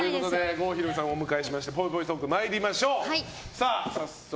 郷ひろみさんをお迎えしてぽいぽいトーク参りましょう。